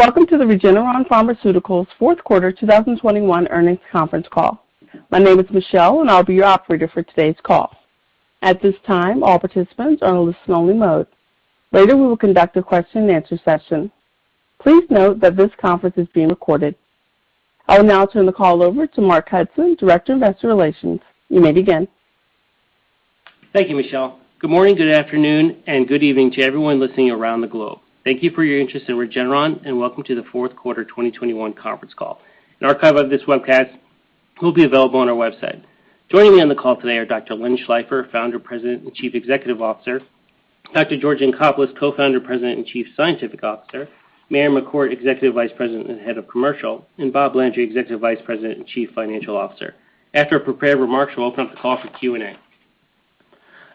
Welcome to the Regeneron Pharmaceuticals fourth quarter 2021 earnings conference call. My name is Michelle, and I'll be your operator for today's call. At this time, all participants are in listen-only mode. Later, we will conduct a question and answer session. Please note that this conference is being recorded. I will now turn the call over to Mark Hudson, Director of Investor Relations. You may begin. Thank you, Michelle. Good morning, good afternoon, and good evening to everyone listening around the globe. Thank you for your interest in Regeneron, and welcome to the fourth quarter 2021 conference call. An archive of this webcast will be available on our website. Joining me on the call today are Dr. Leonard Schleifer, Founder, President, and Chief Executive Officer, Dr. George Yancopoulos, Co-founder, President, and Chief Scientific Officer, Marion McCourt, Executive Vice President and Head of Commercial, and Robert Landry, Executive Vice President and Chief Financial Officer. After prepared remarks, we'll open up the call for Q&A.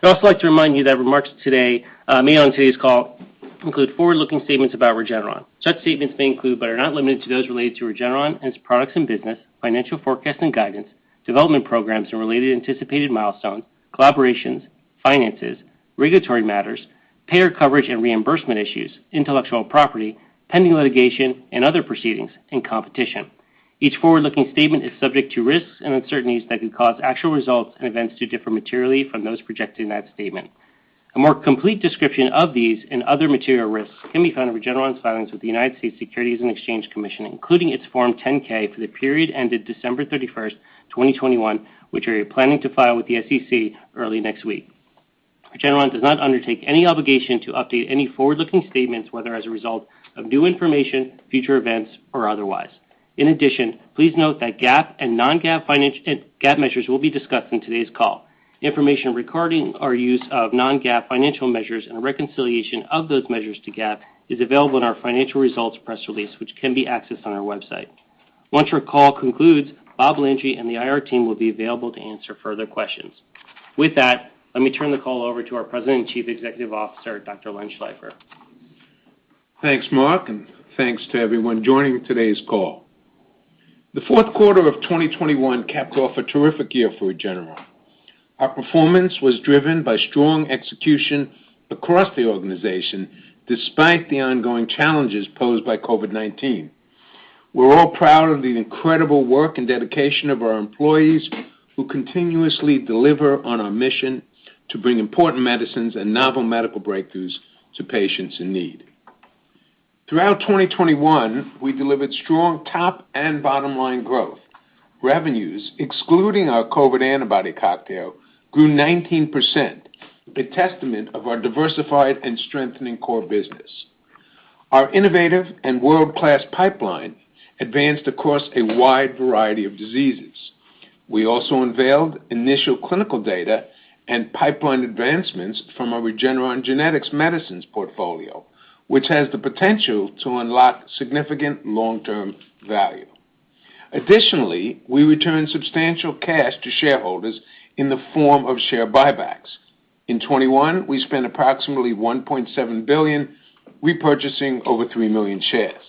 I'd also like to remind you that remarks today made on today's call include forward-looking statements about Regeneron. Such statements may include, but are not limited to, those related to Regeneron and its products and business, financial forecast and guidance, development programs and related anticipated milestones, collaborations, finances, regulatory matters, payer coverage and reimbursement issues, intellectual property, pending litigation and other proceedings, and competition. Each forward-looking statement is subject to risks and uncertainties that could cause actual results and events to differ materially from those projected in that statement. A more complete description of these and other material risks can be found in Regeneron's filings with the United States Securities and Exchange Commission, including its Form 10-K for the period ended December 31, 2021, which we are planning to file with the SEC early next week. Regeneron does not undertake any obligation to update any forward-looking statements, whether as a result of new information, future events, or otherwise. In addition, please note that GAAP and non-GAAP financial measures will be discussed in today's call. Information regarding our use of non-GAAP financial measures and a reconciliation of those measures to GAAP is available in our financial results press release, which can be accessed on our website. Once your call concludes, Robert Landry and the IR team will be available to answer further questions. With that, let me turn the call over to our President and Chief Executive Officer, Dr. Leonard Schleifer. Thanks, Mark, and thanks to everyone joining today's call. The fourth quarter of 2021 capped off a terrific year for Regeneron. Our performance was driven by strong execution across the organization, despite the ongoing challenges posed by COVID-19. We're all proud of the incredible work and dedication of our employees who continuously deliver on our mission to bring important medicines and novel medical breakthroughs to patients in need. Throughout 2021, we delivered strong top and bottom line growth. Revenues, excluding our COVID antibody cocktail, grew 19%, a testament of our diversified and strengthening core business. Our innovative and world-class pipeline advanced across a wide variety of diseases. We also unveiled initial clinical data and pipeline advancements from our Regeneron Genetics Medicines portfolio, which has the potential to unlock significant long-term value. Additionally, we returned substantial cash to shareholders in the form of share buybacks. In 2021, we spent approximately $1.7 billion repurchasing over 3 million shares.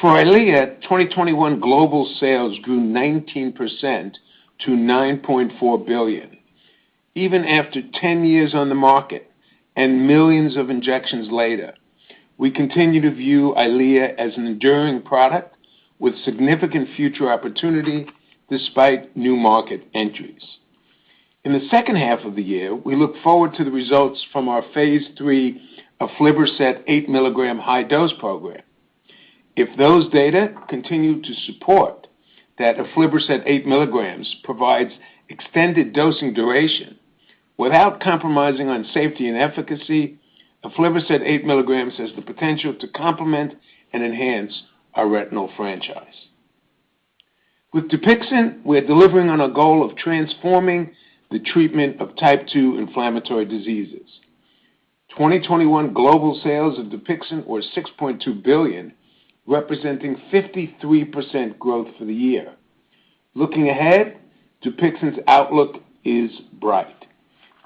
For EYLEA, 2021 global sales grew 19% to $9.4 billion. Even after 10 years on the market and millions of injections later, we continue to view EYLEA as an enduring product with significant future opportunity despite new market entries. In the second half of the year, we look forward to the results from our phase III aflibercept 8-mg high-dose program. If those data continue to support that aflibercept 8 mg provides extended dosing duration without compromising on safety and efficacy, aflibercept 8 mg has the potential to complement and enhance our retinal franchise. With Dupixent, we're delivering on a goal of transforming the treatment of type 2 inflammatory diseases. 2021 global sales of Dupixent were $6.2 billion, representing 53% growth for the year. Looking ahead, Dupixent's outlook is bright.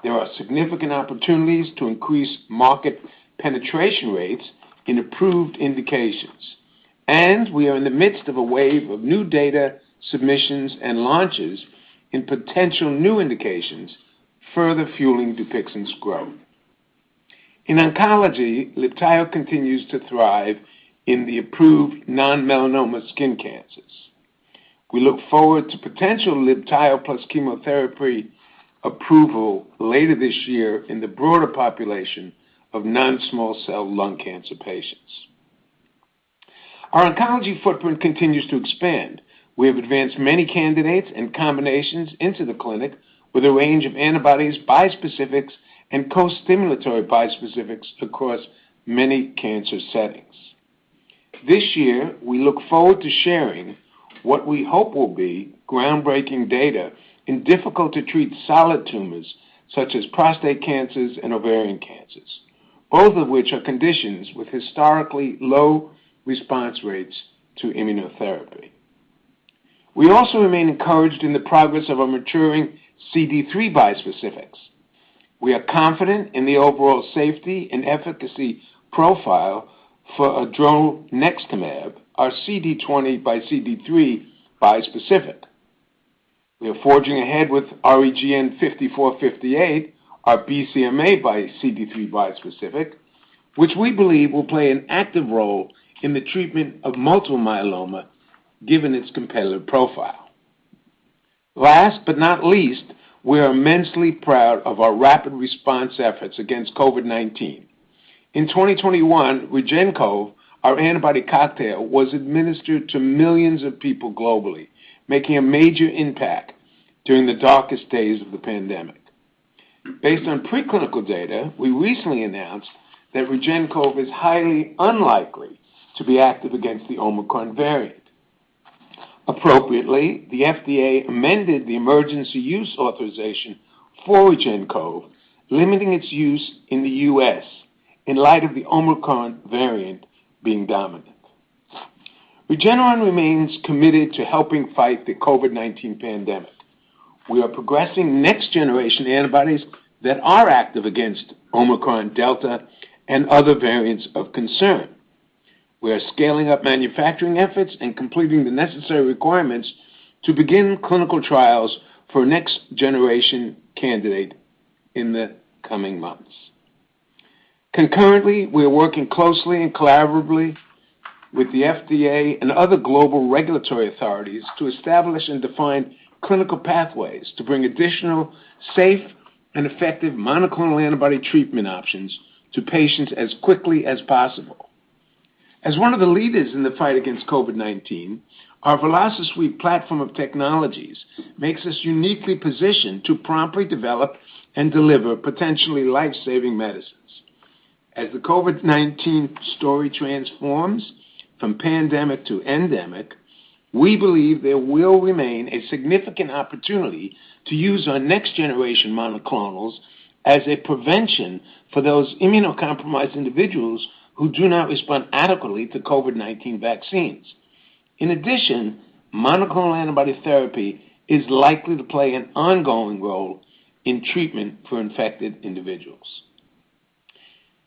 There are significant opportunities to increase market penetration rates in approved indications, and we are in the midst of a wave of new data submissions and launches in potential new indications, further fueling Dupixent's growth. In oncology, Libtayo continues to thrive in the approved non-melanoma skin cancers. We look forward to potential Libtayo plus chemotherapy approval later this year in the broader population of non-small cell lung cancer patients. Our oncology footprint continues to expand. We have advanced many candidates and combinations into the clinic with a range of antibodies, bispecifics, and co-stimulatory bispecifics across many cancer settings. This year, we look forward to sharing what we hope will be groundbreaking data in difficult to treat solid tumors such as prostate cancers and ovarian cancers, both of which are conditions with historically low response rates to immunotherapy. We also remain encouraged in the progress of our maturing CD3 bispecifics. We are confident in the overall safety and efficacy profile for odronextamab, our CD20xCD3 bispecific. We are forging ahead with REGN5458, our BCMAxCD3 bispecific, which we believe will play an active role in the treatment of multiple myeloma given its competitive profile. Last but not least, we are immensely proud of our rapid response efforts against COVID-19. In 2021, REGEN-COV, our antibody cocktail, was administered to millions of people globally, making a major impact during the darkest days of the pandemic. Based on preclinical data, we recently announced that REGEN-COV is highly unlikely to be active against the Omicron variant. Appropriately, the FDA amended the emergency use authorization for REGEN-COV, limiting its use in the U.S. in light of the Omicron variant being dominant. Regeneron remains committed to helping fight the COVID-19 pandemic. We are progressing next-generation antibodies that are active against Omicron, Delta, and other variants of concern. We are scaling up manufacturing efforts and completing the necessary requirements to begin clinical trials for a next-generation candidate in the coming months. Concurrently, we are working closely and collaboratively with the FDA and other global regulatory authorities to establish and define clinical pathways to bring additional safe and effective monoclonal antibody treatment options to patients as quickly as possible. As one of the leaders in the fight against COVID-19, our VelociSuite platform of technologies makes us uniquely positioned to promptly develop and deliver potentially life-saving medicines. As the COVID-19 story transforms from pandemic to endemic, we believe there will remain a significant opportunity to use our next-generation monoclonals as a prevention for those immunocompromised individuals who do not respond adequately to COVID-19 vaccines. In addition, monoclonal antibody therapy is likely to play an ongoing role in treatment for infected individuals.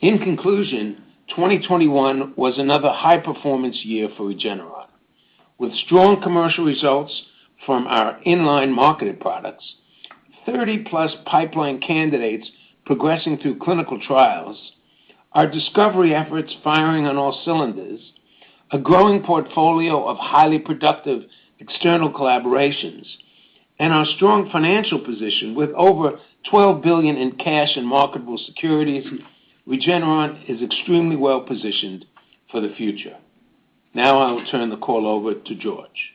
In conclusion, 2021 was another high-performance year for Regeneron. With strong commercial results from our in-line marketed products, 30+ pipeline candidates progressing through clinical trials, our discovery efforts firing on all cylinders, a growing portfolio of highly productive external collaborations, and our strong financial position with over $12 billion in cash and marketable securities, Regeneron is extremely well-positioned for the future. Now I will turn the call over to George.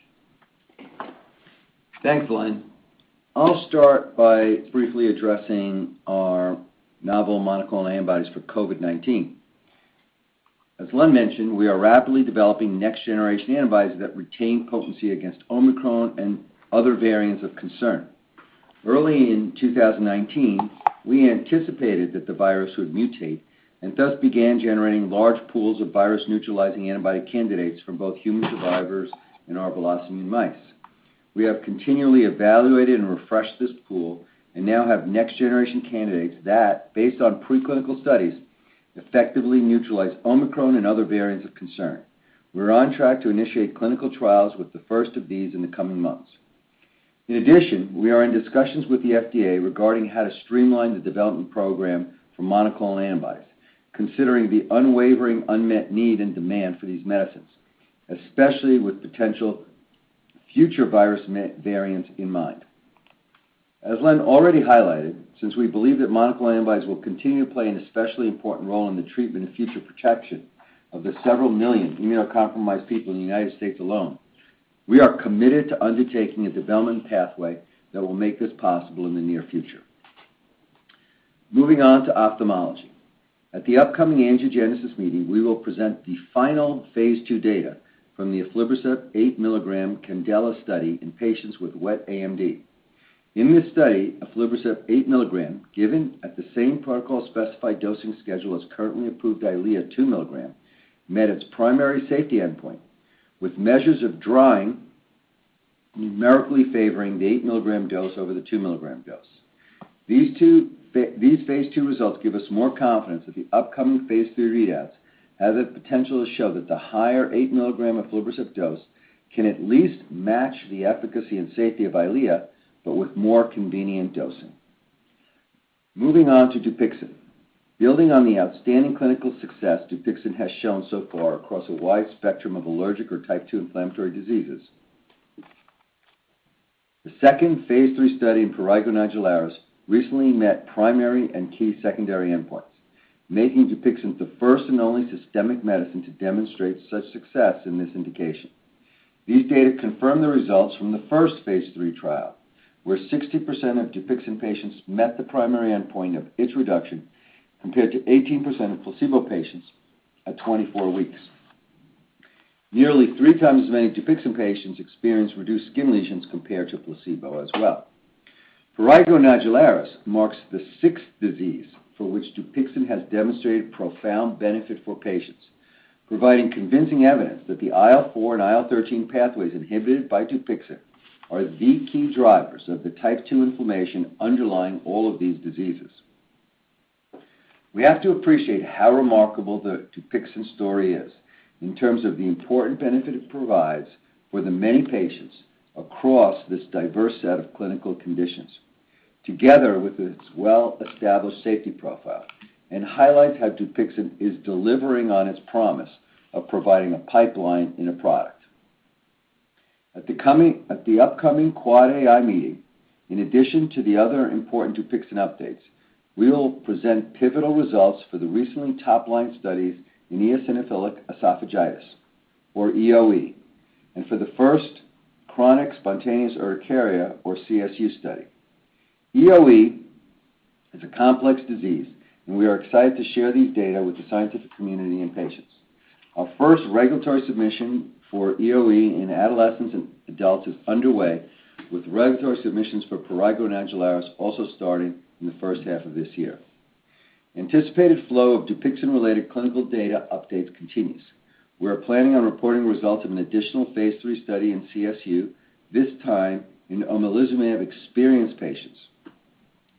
Thanks, Len. I'll start by briefly addressing our novel monoclonal antibodies for COVID-19. As Len mentioned, we are rapidly developing next-generation antibodies that retain potency against Omicron and other variants of concern. Early in 2019, we anticipated that the virus would mutate and thus began generating large pools of virus-neutralizing antibody candidates from both human survivors and our VelociMouse. We have continually evaluated and refreshed this pool and now have next-generation candidates that, based on preclinical studies, effectively neutralize Omicron and other variants of concern. We're on track to initiate clinical trials with the first of these in the coming months. In addition, we are in discussions with the FDA regarding how to streamline the development program for monoclonal antibodies, considering the unwavering unmet need and demand for these medicines, especially with potential future virus variants in mind. As Len already highlighted, since we believe that monoclonal antibodies will continue to play an especially important role in the treatment and future protection of the several million immunocompromised people in the United States alone, we are committed to undertaking a development pathway that will make this possible in the near future. Moving on to ophthalmology. At the upcoming Angiogenesis meeting, we will present the final phase II data from the aflibercept 8-milligram CANDELA study in patients with wet AMD. In this study, aflibercept 8 milligrams, given at the same protocol-specified dosing schedule as currently approved EYLEA 2 milligrams, met its primary safety endpoint, with measures of drying numerically favoring the 8-milligram dose over the 2-milligram dose. These phase II results give us more confidence that the upcoming phase III reads have the potential to show that the higher 8-mg aflibercept dose can at least match the efficacy and safety of EYLEA but with more convenient dosing. Moving on to DUPIXENT. Building on the outstanding clinical success DUPIXENT has shown so far across a wide spectrum of allergic or type 2 inflammatory diseases, the second phase III study in prurigo nodularis recently met primary and key secondary endpoints, making DUPIXENT the first and only systemic medicine to demonstrate such success in this indication. These data confirm the results from the first phase III trial, where 60% of DUPIXENT patients met the primary endpoint of itch reduction, compared to 18% of placebo patients at 24 weeks. Nearly three times as many DUPIXENT patients experienced reduced skin lesions compared to placebo as well. Prurigo nodularis marks the sixth disease for which Dupixent has demonstrated profound benefit for patients, providing convincing evidence that the IL-4 and IL-13 pathways inhibited by Dupixent are the key drivers of the type two inflammation underlying all of these diseases. We have to appreciate how remarkable the Dupixent story is in terms of the important benefit it provides for the many patients across this diverse set of clinical conditions, together with its well-established safety profile, and highlights how Dupixent is delivering on its promise of providing a pipeline and a product. At the upcoming AAAAI meeting, in addition to the other important Dupixent updates, we will present pivotal results for the recently top-line studies in eosinophilic esophagitis, or EoE, and for the first chronic spontaneous urticaria, or CSU study. EoE is a complex disease, and we are excited to share these data with the scientific community and patients. Our first regulatory submission for EoE in adolescents and adults is underway, with regulatory submissions for prurigo nodularis also starting in the first half of this year. Anticipated flow of Dupixent-related clinical data updates continues. We are planning on reporting results of an additional phase III study in CSU, this time in omalizumab-experienced patients,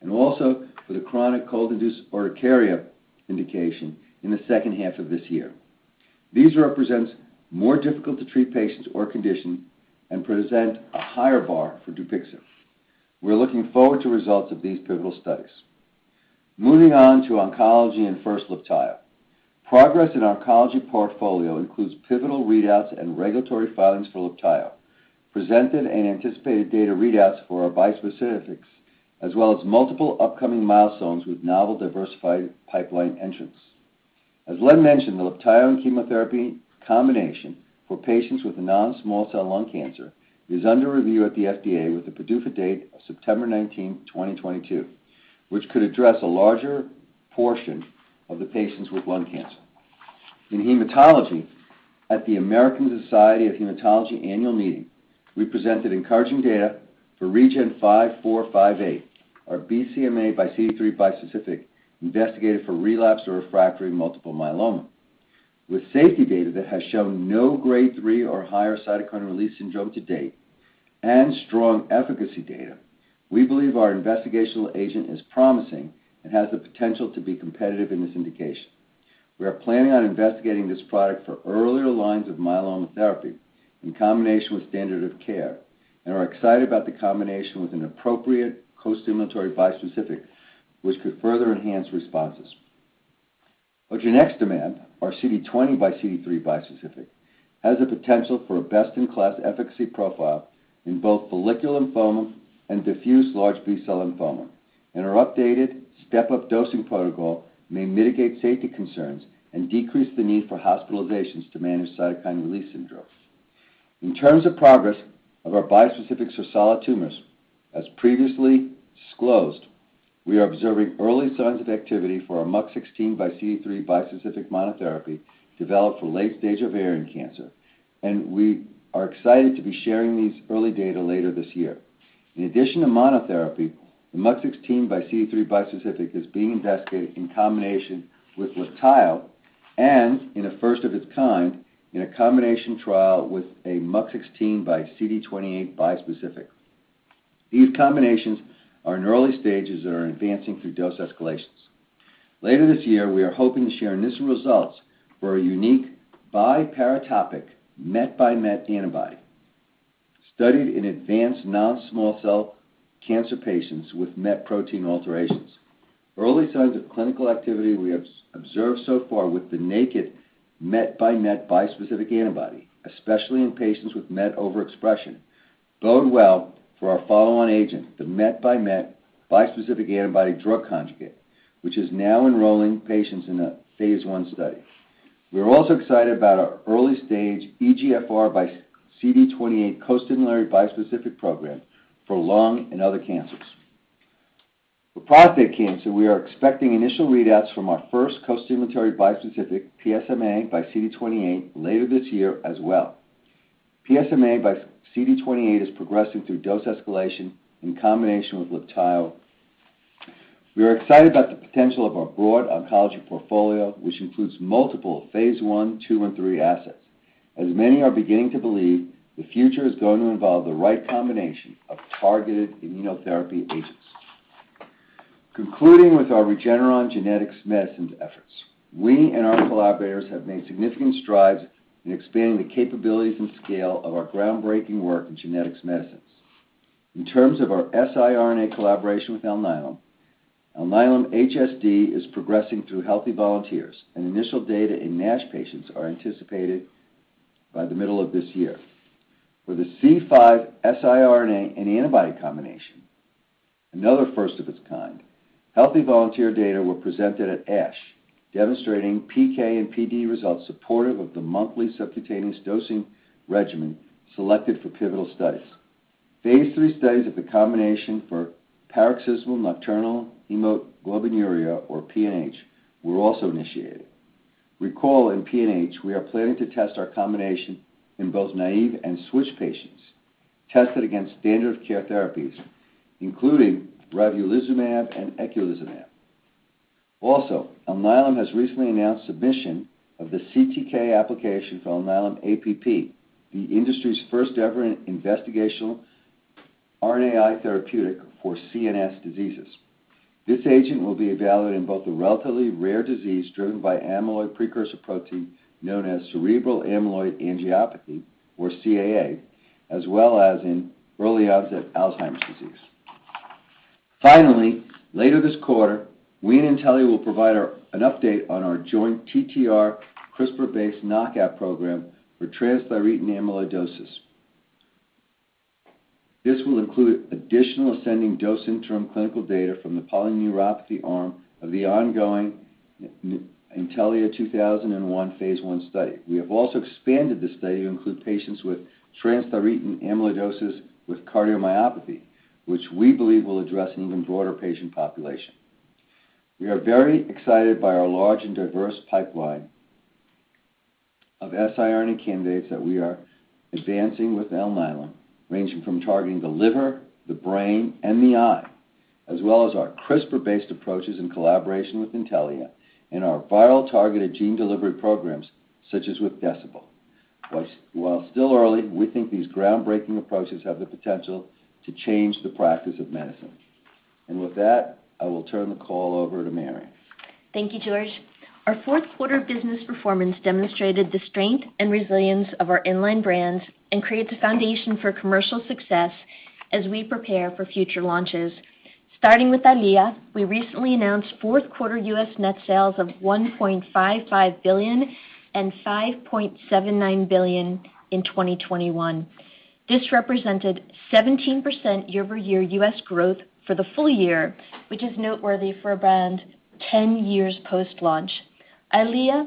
and also for the chronic cold-induced urticaria indication in the second half of this year. These represent more difficult to treat patients or conditions and present a higher bar for Dupixent. We're looking forward to results of these pivotal studies. Moving on to oncology and first Libtayo. Progress in oncology portfolio includes pivotal readouts and regulatory filings for Libtayo, presented and anticipated data readouts for our bispecifics, as well as multiple upcoming milestones with novel diversified pipeline entrants. As Len mentioned, the Libtayo and chemotherapy combination for patients with non-small cell lung cancer is under review at the FDA with a PDUFA date of September 19, 2022, which could address a larger portion of the patients with lung cancer. In hematology, at the American Society of Hematology annual meeting, we presented encouraging data for REGN5458, our BCMA x CD3 bispecific investigated for relapse or refractory multiple myeloma. With safety data that has shown no grade 3 or higher cytokine release syndrome to date and strong efficacy data, we believe our investigational agent is promising and has the potential to be competitive in this indication. We are planning on investigating this product for earlier lines of myeloma therapy in combination with standard of care and are excited about the combination with an appropriate costimulatory bispecific, which could further enhance responses. Odronextamab, our CD20 x CD3 bispecific, has the potential for a best-in-class efficacy profile in both follicular lymphoma and diffuse large B-cell lymphoma, and our updated step-up dosing protocol may mitigate safety concerns and decrease the need for hospitalizations to manage cytokine release syndrome. In terms of progress of our bispecifics for solid tumors, as previously disclosed, we are observing early signs of activity for our MUC16 x CD3 bispecific monotherapy developed for late stage ovarian cancer, and we are excited to be sharing these early data later this year. In addition to monotherapy, the MUC16 x CD3 bispecific is being investigated in combination with Libtayo and, in a first of its kind, in a combination trial with a MUC16 x CD28 bispecific. These combinations are in early stages and are advancing through dose escalations. Later this year, we are hoping to share initial results for a unique biparatopic MET x MET antibody studied in advanced non-small cell cancer patients with MET protein alterations. Early signs of clinical activity we have observed so far with the naked MET x MET bispecific antibody, especially in patients with MET overexpression, bode well for our follow-on agent, the MET x MET bispecific antibody drug conjugate, which is now enrolling patients in a phase I study. We are also excited about our early-stage EGFR x CD28 costimulatory bispecific program for lung and other cancers. For prostate cancer, we are expecting initial readouts from our first costimulatory bispecific, PSMA by CD28, later this year as well. PSMA by CD28 is progressing through dose escalation in combination with Libtayo. We are excited about the potential of our broad oncology portfolio, which includes multiple phase I, II, and III assets. As many are beginning to believe, the future is going to involve the right combination of targeted immunotherapy agents. Concluding with our Regeneron Genetics Medicines efforts, we and our collaborators have made significant strides in expanding the capabilities and scale of our groundbreaking work in genetics medicines. In terms of our siRNA collaboration with Alnylam, ALN-HSD is progressing through healthy volunteers, and initial data in NASH patients are anticipated by the middle of this year. For the C5 siRNA and antibody combination, another first of its kind, healthy volunteer data were presented at ASH, demonstrating PK and PD results supportive of the monthly subcutaneous dosing regimen selected for pivotal studies. Phase III studies of the combination for paroxysmal nocturnal hemoglobinuria, or PNH, were also initiated. Recall in PNH, we are planning to test our combination in both naive and switch patients tested against standard of care therapies, including ravulizumab and eculizumab. Alnylam has recently announced submission of the CTA application for ALN-APP, the industry's first-ever investigational RNAi therapeutic for CNS diseases. This agent will be evaluated in both a relatively rare disease driven by amyloid precursor protein known as cerebral amyloid angiopathy or CAA, as well as in early onset Alzheimer's disease. Finally, later this quarter, we and Intellia will provide an update on our joint TTR CRISPR-based knockout program for transthyretin amyloidosis. This will include additional ascending dose interim clinical data from the polyneuropathy arm of the ongoing Intellia 2001 phase I study. We have also expanded the study to include patients with transthyretin amyloidosis with cardiomyopathy, which we believe will address an even broader patient population. We are very excited by our large and diverse pipeline of siRNA candidates that we are advancing with Alnylam, ranging from targeting the liver, the brain, and the eye, as well as our CRISPR-based approaches in collaboration with Intellia and our viral targeted gene delivery programs, such as with Decibel. While still early, we think these groundbreaking approaches have the potential to change the practice of medicine. With that, I will turn the call over to Marion. Thank you, George. Our fourth quarter business performance demonstrated the strength and resilience of our in-line brands and creates a foundation for commercial success as we prepare for future launches. Starting with EYLEA, we recently announced fourth quarter U.S. net sales of $1.55 billion and $5.79 billion in 2021. This represented 17% year-over-year U.S. growth for the full year, which is noteworthy for a brand 10 years post-launch. EYLEA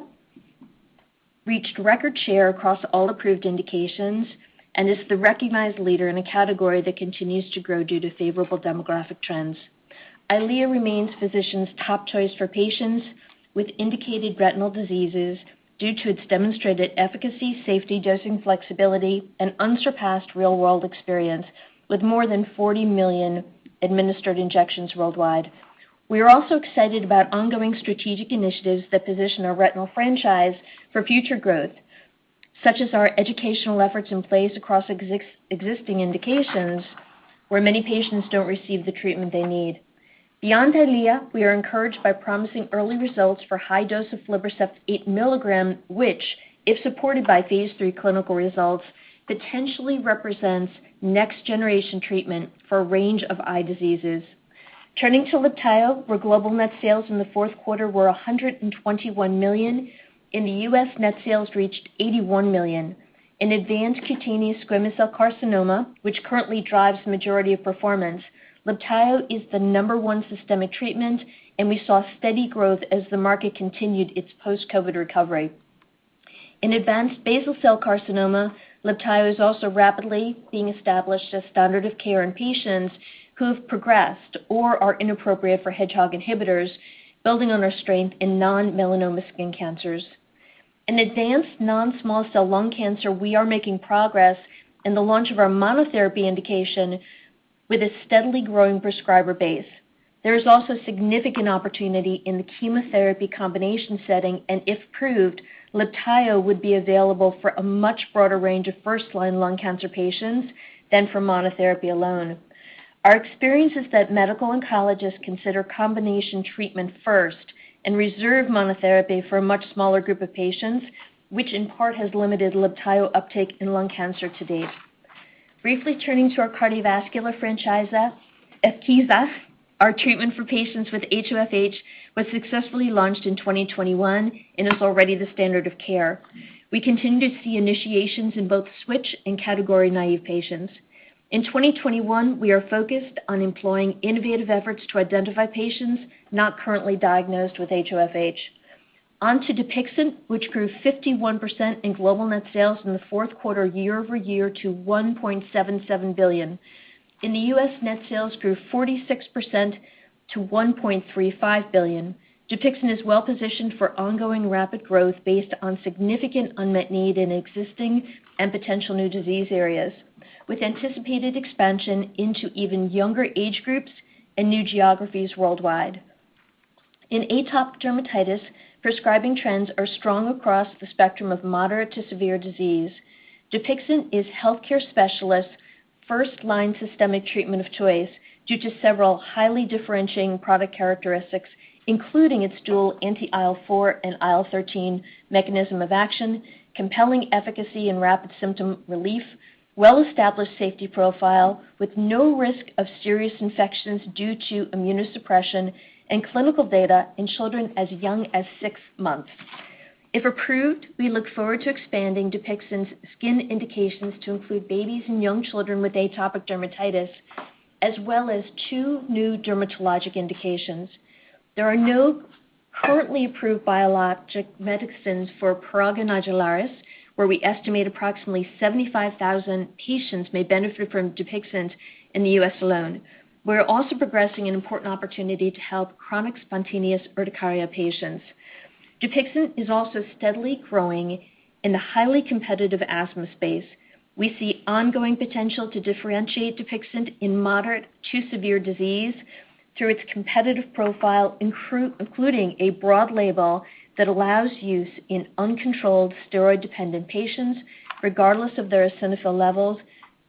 reached record share across all approved indications and is the recognized leader in a category that continues to grow due to favorable demographic trends. EYLEA remains physicians' top choice for patients with indicated retinal diseases due to its demonstrated efficacy, safety, dosing flexibility, and unsurpassed real-world experience with more than 40 million administered injections worldwide. We are also excited about ongoing strategic initiatives that position our retinal franchise for future growth, such as our educational efforts in place across existing indications where many patients don't receive the treatment they need. Beyond EYLEA, we are encouraged by promising early results for high dose of aflibercept 8 mg, which, if supported by phase III clinical results, potentially represents next-generation treatment for a range of eye diseases. Turning to Libtayo, where global net sales in the fourth quarter were $121 million. In the U.S., net sales reached $81 million. In advanced cutaneous squamous cell carcinoma, which currently drives the majority of performance, Libtayo is the number one systemic treatment, and we saw steady growth as the market continued its post-COVID recovery. In advanced basal cell carcinoma, Libtayo is also rapidly being established as standard of care in patients who have progressed or are inappropriate for Hedgehog inhibitors, building on our strength in non-melanoma skin cancers. In advanced non-small cell lung cancer, we are making progress in the launch of our monotherapy indication with a steadily growing prescriber base. There is also significant opportunity in the chemotherapy combination setting, and if proved, Libtayo would be available for a much broader range of first-line lung cancer patients than for monotherapy alone. Our experience is that medical oncologists consider combination treatment first and reserve monotherapy for a much smaller group of patients, which in part has limited Libtayo uptake in lung cancer to date. Briefly turning to our cardiovascular franchise, Evkeeza, our treatment for patients with HoFH, was successfully launched in 2021 and is already the standard of care. We continue to see initiations in both switch and category-naive patients. In 2021, we are focused on employing innovative efforts to identify patients not currently diagnosed with HoFH. Onto Dupixent, which grew 51% in global net sales from the fourth quarter year-over-year to $1.77 billion. In the U.S., net sales grew 46% to $1.35 billion. Dupixent is well-positioned for ongoing rapid growth based on significant unmet need in existing and potential new disease areas, with anticipated expansion into even younger age groups and new geographies worldwide. In atopic dermatitis, prescribing trends are strong across the spectrum of moderate to severe disease. Dupixent is healthcare specialists' first-line systemic treatment of choice due to several highly differentiating product characteristics, including its dual anti-IL-4 and IL-13 mechanism of action, compelling efficacy and rapid symptom relief, well-established safety profile with no risk of serious infections due to immunosuppression, and clinical data in children as young as six months. If approved, we look forward to expanding Dupixent's skin indications to include babies and young children with atopic dermatitis, as well as two new dermatologic indications. There are no currently approved biologic medicines for prurigo nodularis, where we estimate approximately 75,000 patients may benefit from Dupixent in the U.S. alone. We're also progressing an important opportunity to help chronic spontaneous urticaria patients. Dupixent is also steadily growing in the highly competitive asthma space. We see ongoing potential to differentiate Dupixent in moderate to severe disease through its competitive profile, including a broad label that allows use in uncontrolled steroid-dependent patients, regardless of their eosinophil levels,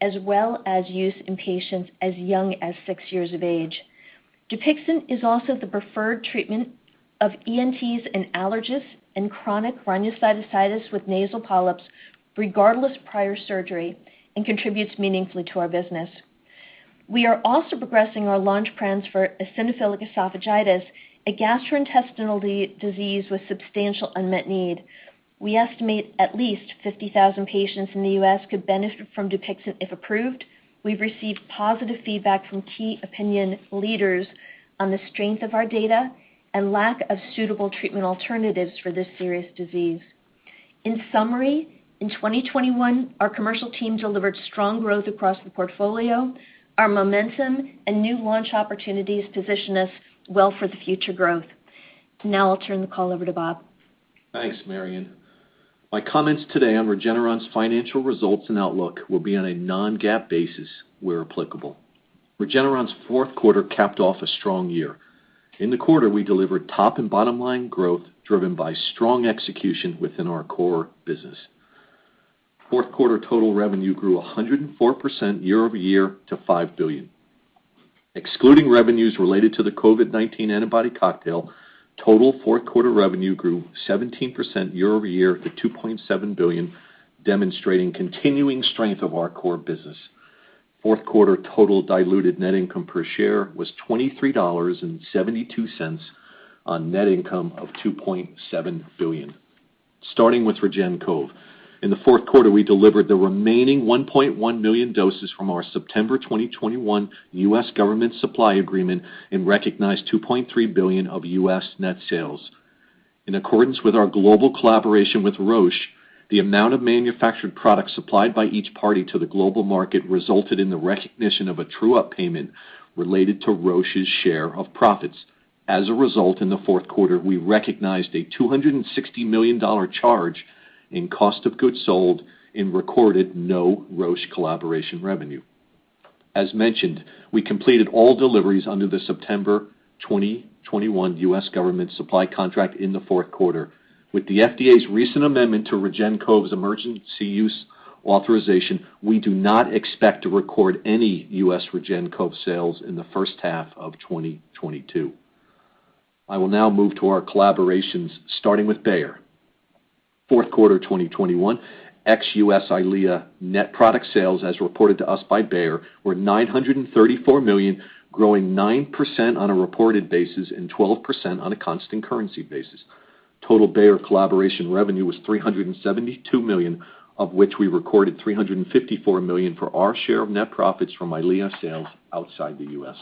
as well as use in patients as young as six years of age. Dupixent is also the preferred treatment of ENTs and allergists in chronic rhinosinusitis with nasal polyps, regardless of prior surgery, and contributes meaningfully to our business. We are also progressing our launch plans for eosinophilic esophagitis, a gastrointestinal disease with substantial unmet need. We estimate at least 50,000 patients in the U.S. could benefit from Dupixent if approved. We've received positive feedback from key opinion leaders on the strength of our data and lack of suitable treatment alternatives for this serious disease. In summary, in 2021, our commercial team delivered strong growth across the portfolio. Our momentum and new launch opportunities position us well for the future growth. Now I'll turn the call over to Bob. Thanks, Marion. My comments today on Regeneron's financial results and outlook will be on a non-GAAP basis, where applicable. Regeneron's fourth quarter capped off a strong year. In the quarter, we delivered top and bottom line growth driven by strong execution within our core business. Fourth quarter total revenue grew 104% year-over-year to $5 billion. Excluding revenues related to the COVID-19 antibody cocktail, total fourth quarter revenue grew 17% year-over-year to $2.7 billion, demonstrating continuing strength of our core business. Fourth quarter total diluted net income per share was $23.72 on net income of $2.7 billion. Starting with REGEN-COV, in the fourth quarter, we delivered the remaining 1.1 million doses from our September 2021 U.S. government supply agreement and recognized $2.3 billion of U.S. net sales. In accordance with our global collaboration with Roche, the amount of manufactured products supplied by each party to the global market resulted in the recognition of a true-up payment related to Roche's share of profits. As a result, in the fourth quarter, we recognized a $260 million charge in cost of goods sold and recorded no Roche collaboration revenue. As mentioned, we completed all deliveries under the September 2021 U.S. government supply contract in the fourth quarter. With the FDA's recent amendment to REGEN-COV's emergency use authorization, we do not expect to record any U.S. REGEN-COV sales in the first half of 2022. I will now move to our collaborations, starting with Bayer. Fourth quarter 2021, ex-U.S. EYLEA net product sales as reported to us by Bayer were $934 million, growing 9% on a reported basis and 12% on a constant currency basis. Total Bayer collaboration revenue was $372 million, of which we recorded $354 million for our share of net profits from EYLEA sales outside the U.S.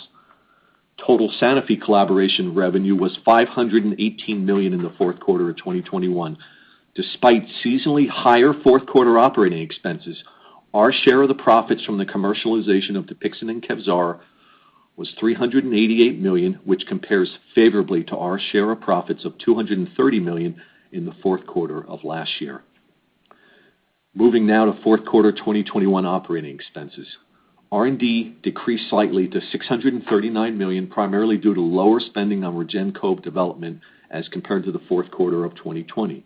Total Sanofi collaboration revenue was $518 million in the fourth quarter of 2021. Despite seasonally higher fourth quarter operating expenses, our share of the profits from the commercialization of Dupixent and Kevzara was $388 million, which compares favorably to our share of profits of $230 million in the fourth quarter of last year. Moving now to fourth quarter 2021 operating expenses. R&D decreased slightly to $639 million, primarily due to lower spending on REGEN-COV development as compared to the fourth quarter of 2020.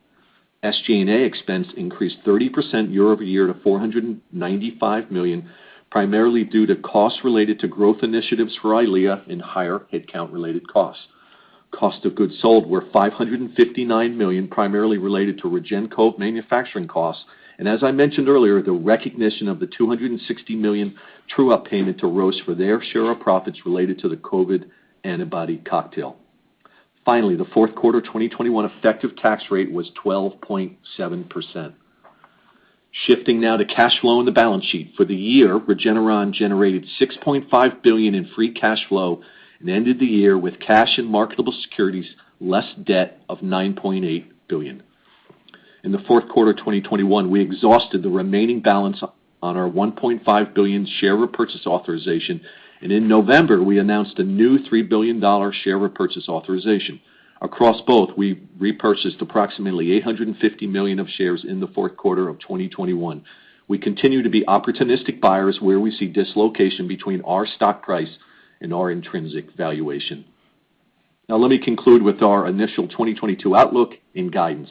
SG&A expense increased 30% year-over-year to $495 million, primarily due to costs related to growth initiatives for EYLEA and higher headcount-related costs. Cost of goods sold were $559 million, primarily related to REGEN-COV manufacturing costs, and as I mentioned earlier, the recognition of the $260 million true-up payment to Roche for their share of profits related to the COVID antibody cocktail. Finally, the fourth quarter 2021 effective tax rate was 12.7%. Shifting now to cash flow and the balance sheet. For the year, Regeneron generated $6.5 billion in free cash flow and ended the year with cash and marketable securities less debt of $9.8 billion. In the fourth quarter 2021, we exhausted the remaining balance on our $1.5 billion share repurchase authorization, and in November, we announced a new $3 billion share repurchase authorization. Across both, we repurchased approximately 850 million shares in the fourth quarter of 2021. We continue to be opportunistic buyers where we see dislocation between our stock price and our intrinsic valuation. Now let me conclude with our initial 2022 outlook and guidance.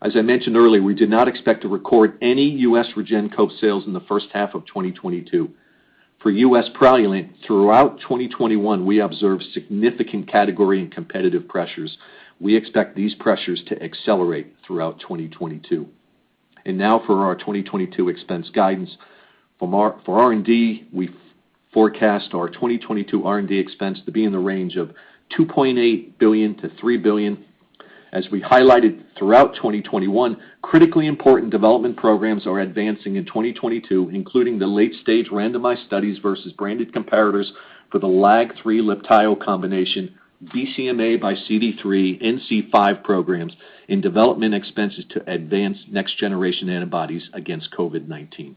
As I mentioned earlier, we did not expect to record any U.S. REGEN-COV sales in the first half of 2022. For U.S. Praluent, throughout 2021, we observed significant category and competitive pressures. We expect these pressures to accelerate throughout 2022. Now for our 2022 expense guidance. For R&D, we forecast our 2022 R&D expense to be in the range of $2.8 billion-$3 billion. As we highlighted throughout 2021, critically important development programs are advancing in 2022, including the late-stage randomized studies versus branded competitors for the LAG-3 Libtayo combination, BCMA by CD3, C5 programs, and development expenses to advance next-generation antibodies against COVID-19.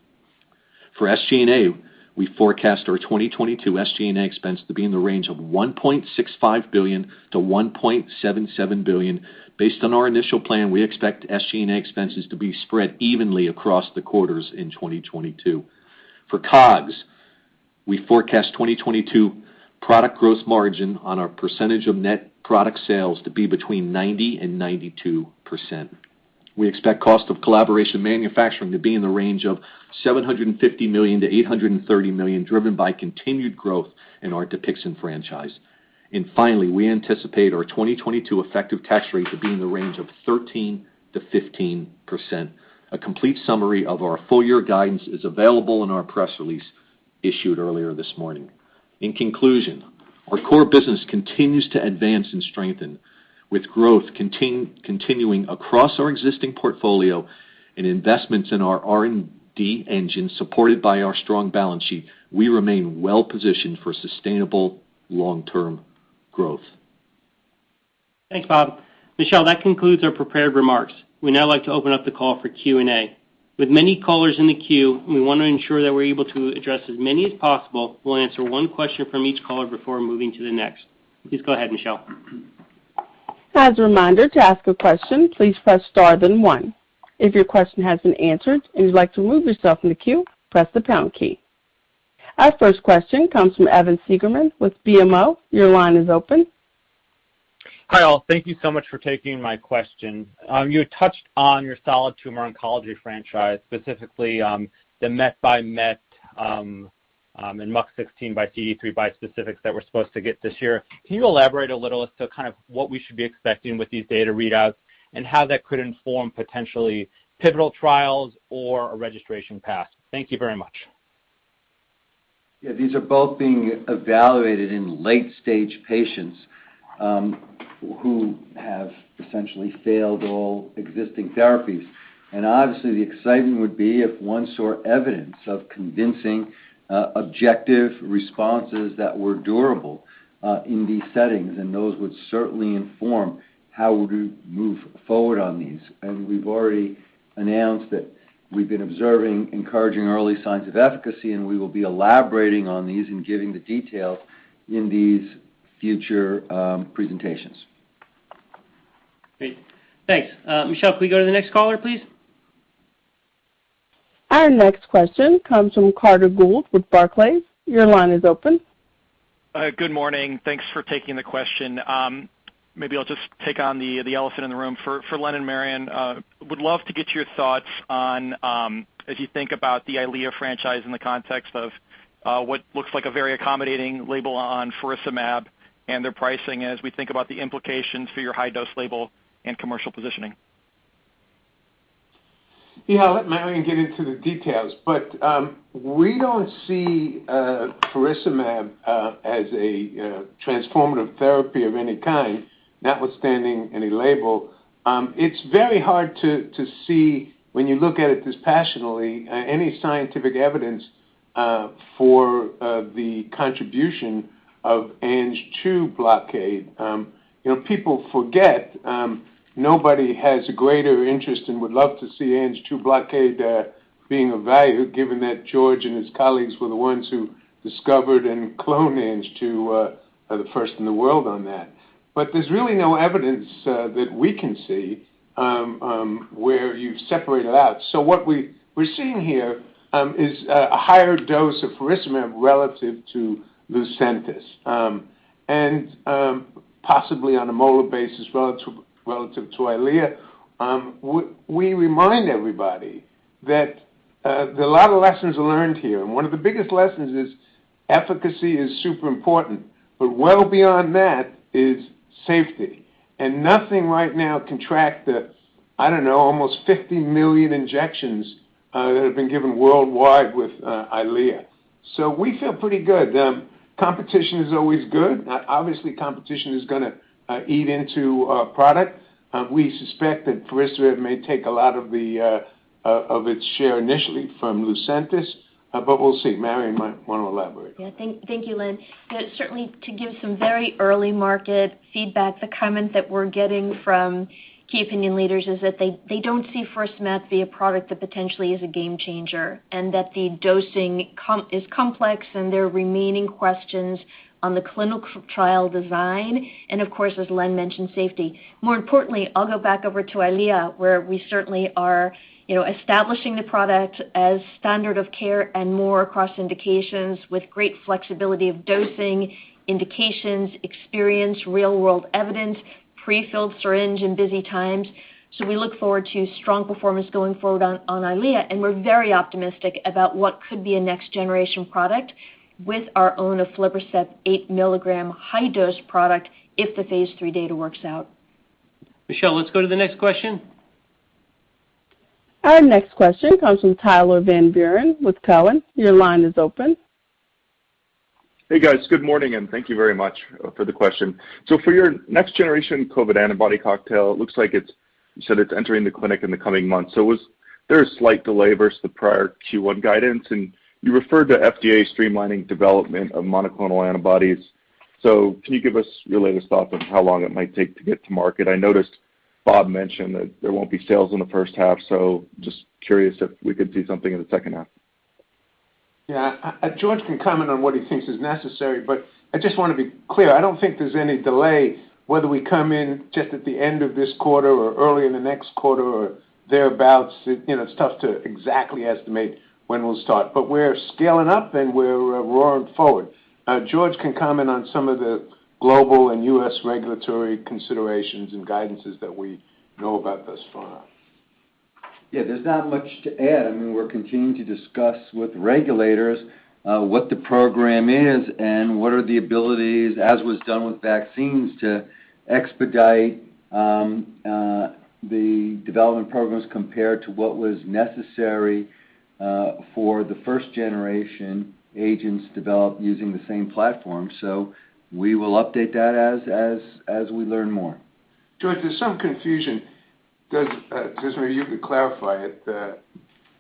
For SG&A, we forecast our 2022 SG&A expense to be in the range of $1.65 billion-$1.77 billion. Based on our initial plan, we expect SG&A expenses to be spread evenly across the quarters in 2022. For COGS We forecast 2022 product gross margin on our percentage of net product sales to be between 90%-92%. We expect cost of collaboration manufacturing to be in the range of $750 million-$830 million, driven by continued growth in our Dupixent franchise. Finally, we anticipate our 2022 effective tax rate to be in the range of 13%-15%. A complete summary of our full year guidance is available in our press release issued earlier this morning. In conclusion, our core business continues to advance and strengthen with growth continuing across our existing portfolio and investments in our R&D engine, supported by our strong balance sheet. We remain well-positioned for sustainable long-term growth. Thanks, Bob. Michelle, that concludes our prepared remarks. We'd now like to open up the call for Q&A. With many callers in the queue, we wanna ensure that we're able to address as many as possible. We'll answer one question from each caller before moving to the next. Please go ahead, Michelle. As a reminder, to ask a question, please press star then one. If your question has been answered and you'd like to remove yourself from the queue, press the pound key. Our first question comes from Evan Seigerman with BMO. Your line is open. Hi, all. Thank you so much for taking my question. You had touched on your solid tumor oncology franchise, specifically, the MET-by-MET and MUC16-by-CD3 bispecifics that we're supposed to get this year. Can you elaborate a little as to kind of what we should be expecting with these data readouts and how that could inform potentially pivotal trials or a registration path? Thank you very much. Yeah, these are both being evaluated in late-stage patients, who have essentially failed all existing therapies. Obviously, the excitement would be if one saw evidence of convincing, objective responses that were durable, in these settings, and those would certainly inform how would we move forward on these. We've already announced that we've been observing encouraging early signs of efficacy, and we will be elaborating on these and giving the details in these future presentations. Great. Thanks. Michelle, can we go to the next caller, please? Our next question comes from Carter Gould with Barclays. Your line is open. Good morning. Thanks for taking the question. Maybe I'll just take on the elephant in the room. For Len and Marion, would love to get your thoughts on if you think about the EYLEA franchise in the context of what looks like a very accommodating label on faricimab and their pricing as we think about the implications for your high-dose label and commercial positioning. Yeah. I'll let Marion get into the details, but we don't see faricimab as a transformative therapy of any kind, notwithstanding any label. It's very hard to see, when you look at it dispassionately, any scientific evidence for the contribution of Ang-2 blockade. You know, people forget, nobody has a greater interest and would love to see Ang-2 blockade being of value, given that George and his colleagues were the ones who discovered and cloned Ang-2, the first in the world on that. There's really no evidence that we can see where you separate it out. What we're seeing here is a higher dose of faricimab relative to Lucentis, and possibly on a molar basis relative to EYLEA. We remind everybody that there are a lot of lessons learned here, and one of the biggest lessons is efficacy is super important, but well beyond that is safety. Nothing right now can track the, I don't know, almost 50 million injections that have been given worldwide with EYLEA. We feel pretty good. Competition is always good. Obviously, competition is gonna eat into our product. We suspect that faricimab may take a lot of its share initially from Lucentis, but we'll see. Marion might wanna elaborate. Yeah. Thank you, Len. Certainly, to give some very early market feedback, the comment that we're getting from key opinion leaders is that they don't see faricimab be a product that potentially is a game changer, and that the dosing is complex, and there are remaining questions on the clinical trial design and, of course, as Len mentioned, safety. More importantly, I'll go back over to EYLEA, where we certainly are, you know, establishing the product as standard of care and more across indications with great flexibility of dosing, indications, experience, real-world evidence, prefilled syringe in busy times. We look forward to strong performance going forward on EYLEA, and we're very optimistic about what could be a next-generation product with our own aflibercept 8-milligram high-dose product if the phase III data works out. Michelle, let's go to the next question. Our next question comes from Tyler Van Buren with Cowen. Your line is open. Hey, guys. Good morning, and thank you very much for the question. For your next-generation COVID antibody cocktail, it looks like it's. You said it's entering the clinic in the coming months. Was there a slight delay versus the prior Q1 guidance? You referred to FDA streamlining development of monoclonal antibodies. Can you give us your latest thoughts on how long it might take to get to market? I noticed Bob mentioned that there won't be sales in the first half, so just curious if we could see something in the second half. Yeah. George can comment on what he thinks is necessary, but I just wanna be clear. I don't think there's any delay whether we come in just at the end of this quarter or early in the next quarter or thereabouts. You know, it's tough to exactly estimate when we'll start. We're scaling up, and we're roaring forward. George can comment on some of the global and U.S. regulatory considerations and guidances that we know about thus far. Yeah, there's not much to add. I mean, we're continuing to discuss with regulators what the program is and what are the abilities, as was done with vaccines, to expedite the development programs compared to what was necessary for the first generation agents developed using the same platform. We will update that as we learn more. George, there's some confusion. Maybe you could clarify it.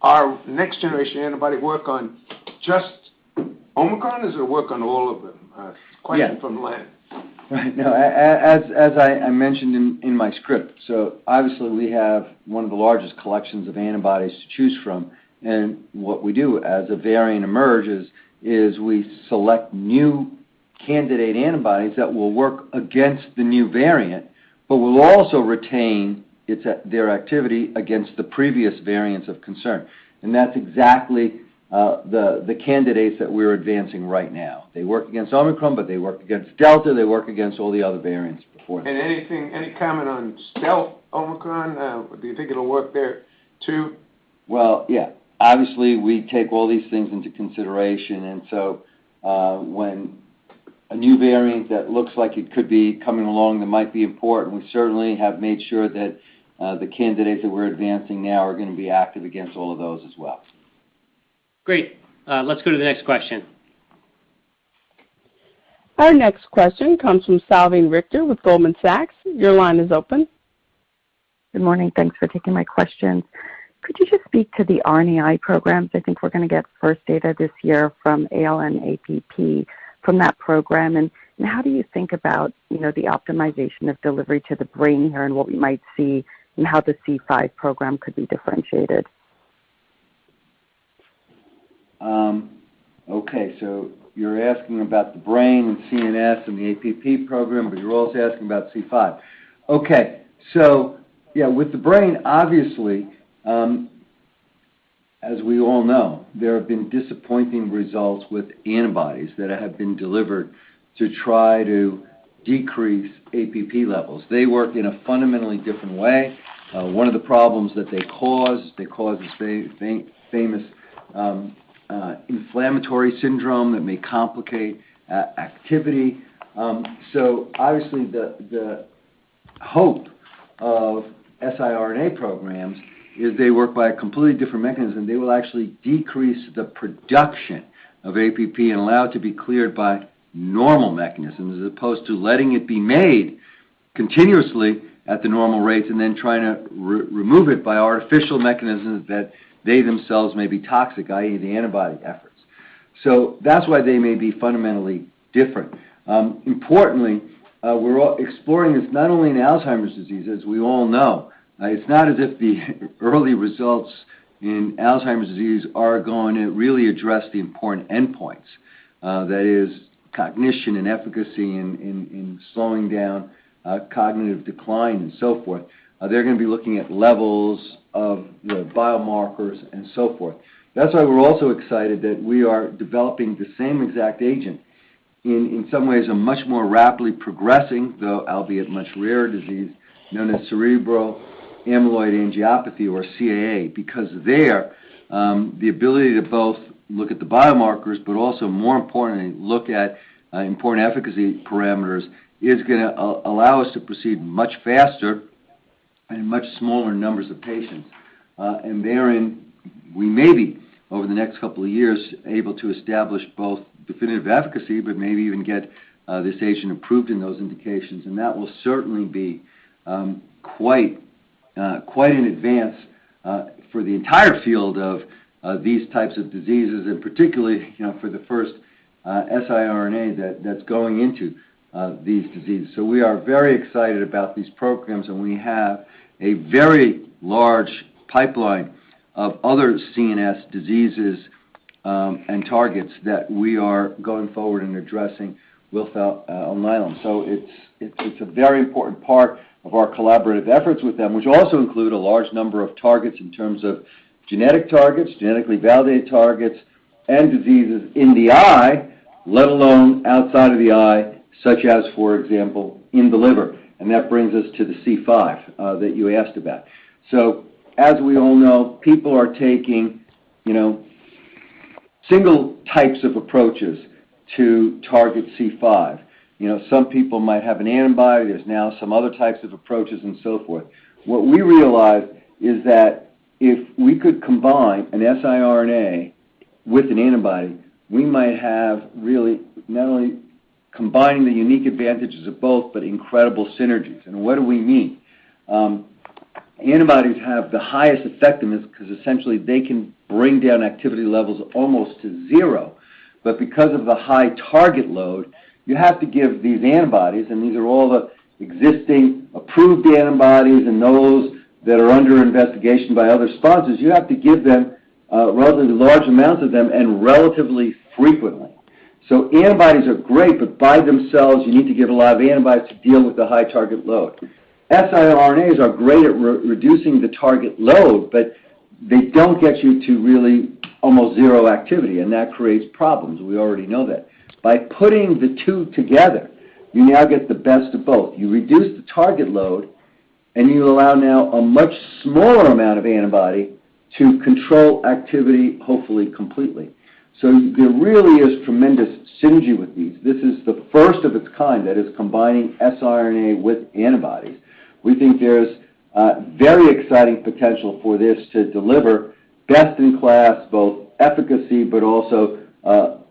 Our next generation antibody work on just Omicron? Does it work on all of them? Yeah. A question from Len. Right. No, as I mentioned in my script. Obviously we have one of the largest collections of antibodies to choose from, and what we do as a variant emerges is we select new candidate antibodies that will work against the new variant, but will also retain their activity against the previous variants of concern. That's exactly the candidates that we're advancing right now. They work against Omicron, but they work against Delta, they work against all the other variants before. Anything? Any comment on stealth Omicron? Do you think it'll work there too? Well, yeah. Obviously, we take all these things into consideration. When a new variant that looks like it could be coming along that might be important, we certainly have made sure that the candidates that we're advancing now are gonna be active against all of those as well. Great. Let's go to the next question. Our next question comes from Salveen Richter with Goldman Sachs. Your line is open. Good morning. Thanks for taking my question. Could you just speak to the RNAi programs? I think we're gonna get first data this year from ALN-APP from that program. How do you think about, you know, the optimization of delivery to the brain here and what we might see, and how the C5 program could be differentiated? Okay. You're asking about the brain and CNS and the APP program, but you're also asking about C5. Okay. Yeah, with the brain, obviously, as we all know, there have been disappointing results with antibodies that have been delivered to try to decrease APP levels. They work in a fundamentally different way. One of the problems that they cause, they cause this famous inflammatory syndrome that may complicate activity. Obviously, the hope of siRNA programs is they work by a completely different mechanism. They will actually decrease the production of APP and allow it to be cleared by normal mechanisms as opposed to letting it be made continuously at the normal rates and then trying to remove it by artificial mechanisms that they themselves may be toxic, i.e., the antibody efforts. That's why they may be fundamentally different. Importantly, we're exploring this not only in Alzheimer's disease, as we all know. It's not as if the early results in Alzheimer's disease are going to really address the important endpoints, that is cognition and efficacy in slowing down cognitive decline and so forth. They're gonna be looking at levels of the biomarkers and so forth. That's why we're also excited that we are developing the same exact agent in some ways a much more rapidly progressing, though albeit much rarer disease known as cerebral amyloid angiopathy or CAA. Because there, the ability to both look at the biomarkers but also more importantly, look at important efficacy parameters, is gonna allow us to proceed much faster and in much smaller numbers of patients. Therein, we may be over the next couple of years able to establish both definitive efficacy, but maybe even get this agent approved in those indications. That will certainly be quite an advance for the entire field of these types of diseases and particularly, you know, for the first siRNA that's going into these diseases. We are very excited about these programs, and we have a very large pipeline of other CNS diseases and targets that we are going forward and addressing with Alnylam. It's a very important part of our collaborative efforts with them, which also include a large number of targets in terms of genetic targets, genetically validated targets and diseases in the eye, let alone outside of the eye, such as, for example, in the liver, and that brings us to the C5 that you asked about. As we all know, people are taking, you know, single types of approaches to target C5. You know, some people might have an antibody. There's now some other types of approaches and so forth. What we realized is that if we could combine an siRNA with an antibody, we might have really not only combining the unique advantages of both, but incredible synergies. What do we mean? Antibodies have the highest effectiveness 'cause essentially they can bring down activity levels almost to zero. Because of the high target load, you have to give these antibodies, and these are all the existing approved antibodies and those that are under investigation by other sponsors. You have to give them, relatively large amounts of them and relatively frequently. Antibodies are great, but by themselves, you need to give a lot of antibodies to deal with the high target load. siRNAs are great at re-reducing the target load, but they don't get you to really almost zero activity, and that creates problems. We already know that. By putting the two together, you now get the best of both. You reduce the target load, and you allow now a much smaller amount of antibody to control activity, hopefully completely. There really is tremendous synergy with these. This is the first of its kind that is combining siRNA with antibodies. We think there's very exciting potential for this to deliver best-in-class, both efficacy, but also,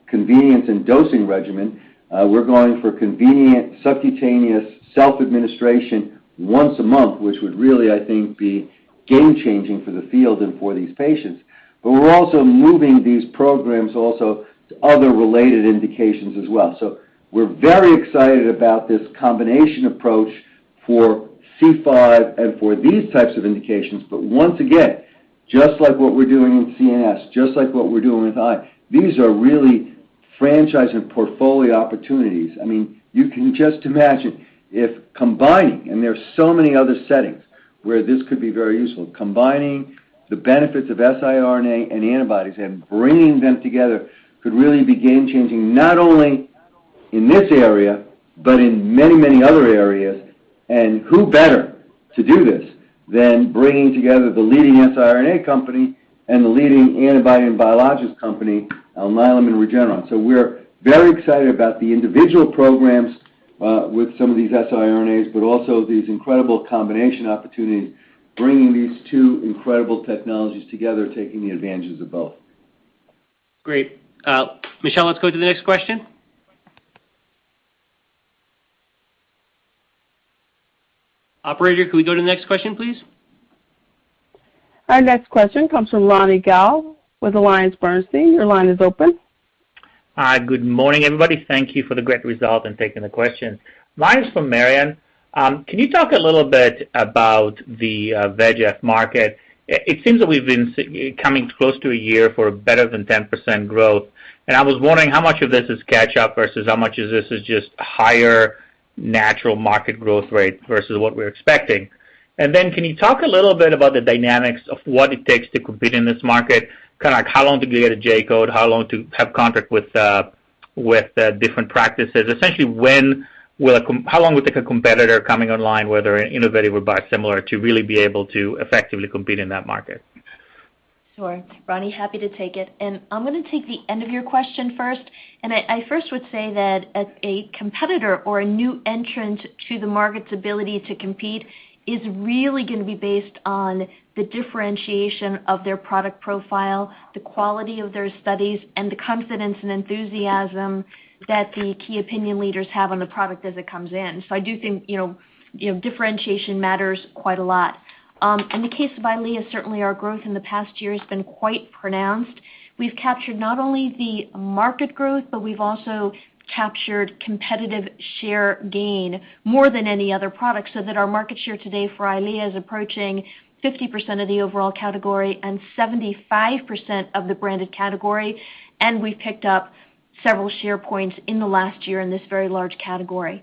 convenience and dosing regimen. We're going for convenient subcutaneous self-administration once a month, which would really, I think, be game-changing for the field and for these patients. We're also moving these programs also to other related indications as well. We're very excited about this combination approach for C5 and for these types of indications. Once again, just like what we're doing in CNS, just like what we're doing with eye, these are really franchise and portfolio opportunities. I mean, you can just imagine if combining, and there are so many other settings where this could be very useful. Combining the benefits of siRNA and antibodies and bringing them together could really be game-changing, not only in this area, but in many, many other areas. Who better to do this than bringing together the leading siRNA company and the leading antibody and biologics company, Alnylam and Regeneron. We're very excited about the individual programs with some of these siRNAs, but also these incredible combination opportunities, bringing these two incredible technologies together, taking the advantages of both. Great. Michelle, let's go to the next question. Operator, could we go to the next question, please? Our next question comes from Ronny Gal with AllianceBernstein. Your line is open. Hi, good morning, everybody. Thank you for the great result and taking the question. Mine's for Marion. Can you talk a little bit about the VEGF market? It seems that we've been coming close to a year for better than 10% growth. I was wondering how much of this is catch up versus how much of this is just higher natural market growth rate versus what we're expecting. Then can you talk a little bit about the dynamics of what it takes to compete in this market? Kinda how long to get a J-code, how long to have contract with the different practices. Essentially, how long will it take a competitor coming online, whether innovative or biosimilar, to really be able to effectively compete in that market? Sure. Ronnie, happy to take it. I'm gonna take the end of your question first. I first would say that a competitor or a new entrant to the market's ability to compete is really gonna be based on the differentiation of their product profile, the quality of their studies, and the confidence and enthusiasm that the key opinion leaders have on the product as it comes in. I do think, you know, differentiation matters quite a lot. In the case of EYLEA, certainly our growth in the past year has been quite pronounced. We've captured not only the market growth, but we've also captured competitive share gain more than any other product, so that our market share today for EYLEA is approaching 50% of the overall category and 75% of the branded category, and we've picked up several share points in the last year in this very large category.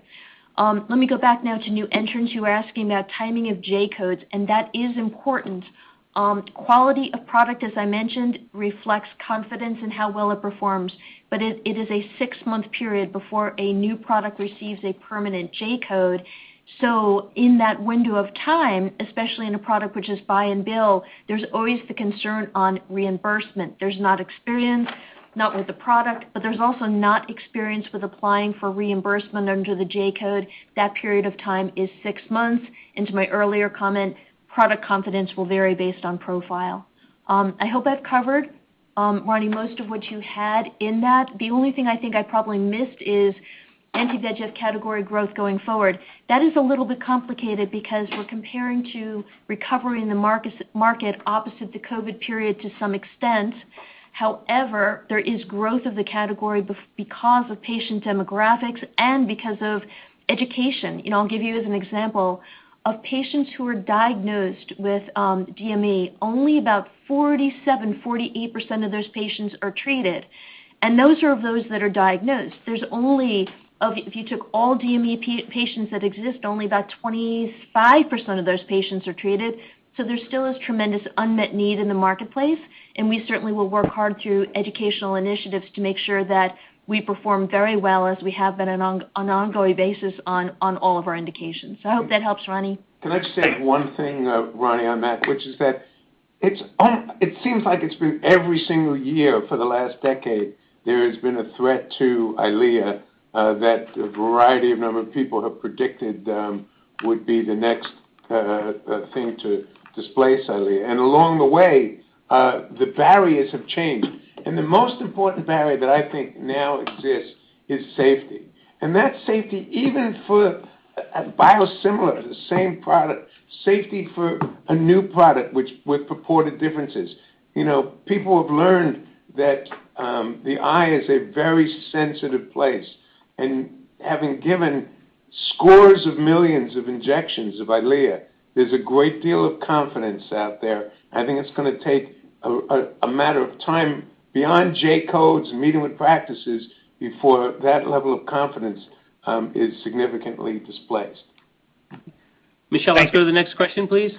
Let me go back now to new entrants. You were asking about timing of J-codes, and that is important. Quality of product, as I mentioned, reflects confidence in how well it performs. But it is a six-month period before a new product receives a permanent J-code. So in that window of time, especially in a product which is buy and bill, there's always the concern on reimbursement. There's no experience, not with the product, but there's also no experience with applying for reimbursement under the J-code. That period of time is six months. To my earlier comment, product confidence will vary based on profile. I hope I've covered, Ronnie, most of what you had in that. The only thing I think I probably missed is anti-VEGF category growth going forward. That is a little bit complicated because we're comparing to recovering the markets, market opposite the COVID period to some extent. However, there is growth of the category because of patient demographics and because of education. You know, I'll give you as an example of patients who are diagnosed with DME, only about 47%-48% of those patients are treated, and those are of those that are diagnosed. There's only of if you took all DME patients that exist, only about 25% of those patients are treated. There still is tremendous unmet need in the marketplace, and we certainly will work hard through educational initiatives to make sure that we perform very well as we have been on an ongoing basis on all of our indications. I hope that helps, Ronnie. Can I just say one thing, Ronnie, on that, which is that it seems like it's been every single year for the last decade, there has been a threat to EYLEA that a variety of number of people have predicted would be the next thing to displace EYLEA. Along the way, the barriers have changed. The most important barrier that I think now exists is safety. That safety, even for- A biosimilar is the same product. Safety for a new product, which with purported differences. You know, people have learned that, the eye is a very sensitive place, and having given scores of millions of injections of EYLEA, there's a great deal of confidence out there. I think it's gonna take a matter of time beyond J-codes and meeting with practices before that level of confidence is significantly displaced. Michelle, let's go to the next question, please.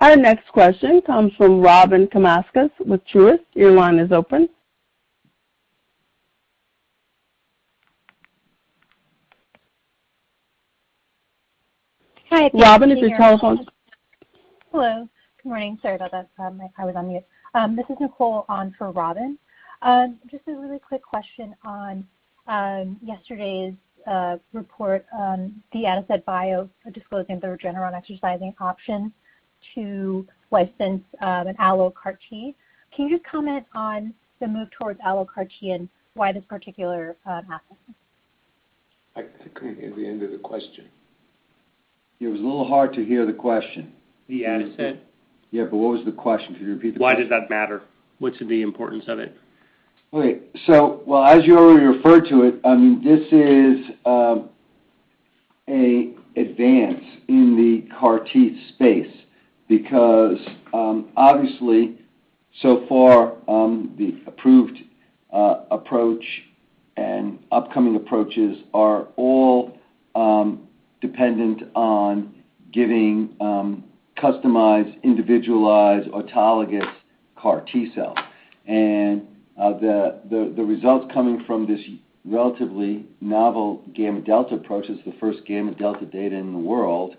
Our next question comes from Robyn Karnauskas with Truist. Your line is open. Hi. Thank you. Robin, is your telephone? Hello. Good morning. Sorry about that. My phone was on mute. This is Nicole on for Robyn. Just a really quick question on yesterday's report, the Adicet Bio disclosing their entering and exercising option to license an AlloCAR T. Can you just comment on the move towards AlloCAR T and why this particular happened? I couldn't hear the end of the question. It was a little hard to hear the question. The asset? Yeah, but what was the question? Could you repeat the question? Why does that matter? What's the importance of it? Okay. Well, as you already referred to it, I mean, this is an advance in the CAR T space because obviously so far the approved approach and upcoming approaches are all dependent on giving customized individualized autologous CAR T-cell. The results coming from this relatively novel gamma delta approach, it's the first gamma delta data in the world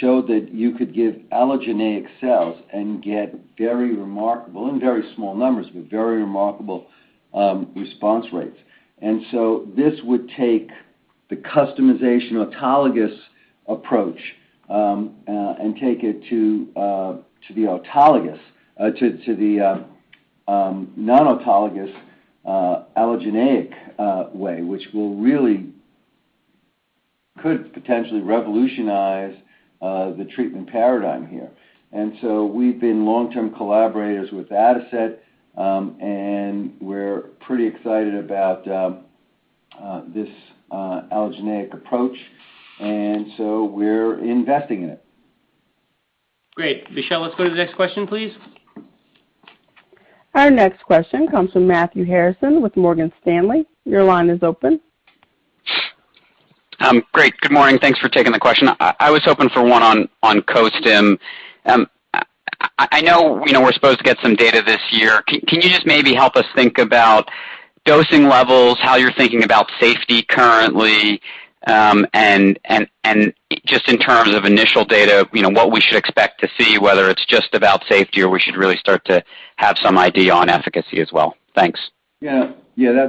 show that you could give allogeneic cells and get very remarkable in very small numbers but very remarkable response rates. This would take the customization autologous approach and take it to the autologous to the non-autologous allogeneic way, which will really could potentially revolutionize the treatment paradigm here. We've been long-term collaborators with Adicet Bio, and we're pretty excited about this allogeneic approach, and so we're investing in it. Great. Michelle, let's go to the next question, please. Our next question comes from Matthew Harrison with Morgan Stanley. Your line is open. Great. Good morning. Thanks for taking the question. I was hoping for one on Costim. I know, you know, we're supposed to get some data this year. Can you just maybe help us think about dosing levels, how you're thinking about safety currently, and just in terms of initial data, you know, what we should expect to see, whether it's just about safety or we should really start to have some idea on efficacy as well. Thanks. Yeah,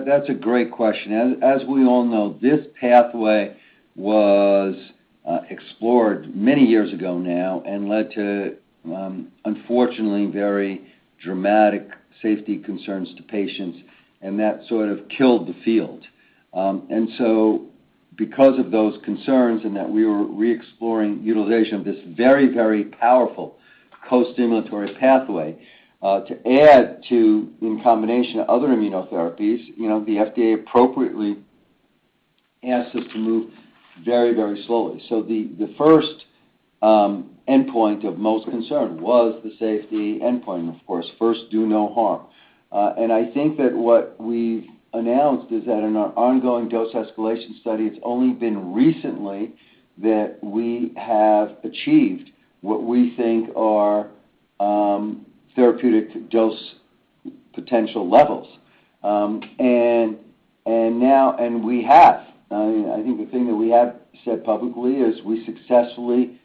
that's a great question. As we all know, this pathway was explored many years ago now and led to unfortunately very dramatic safety concerns to patients, and that sort of killed the field. Because of those concerns and that we were re-exploring utilization of this very, very powerful co-stimulatory pathway to add to in combination of other immunotherapies, you know, the FDA appropriately asked us to move very, very slowly. The first endpoint of most concern was the safety endpoint, of course. First, do no harm. I think that what we've announced is that in our ongoing dose escalation study, it's only been recently that we have achieved what we think are therapeutic dose potential levels. And now and we have. I mean, I think the thing that we have said publicly is we successfully